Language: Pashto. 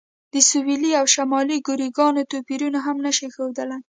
د سویلي او شمالي کوریاګانو توپیر هم نه شي ښودلی.